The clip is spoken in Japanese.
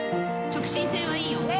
直進性はいいよ。